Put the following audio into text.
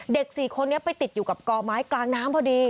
๔คนนี้ไปติดอยู่กับกอไม้กลางน้ำพอดี